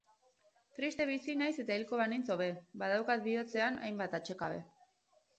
Triste bizi naiz eta hilko banintz hobe, badaukat bihotzean hainbat atsekabe.